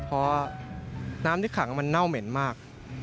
เพราะน้ำที่ขังมันเน่าเหม็นมาก